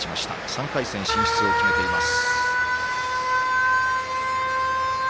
３回戦進出を決めています。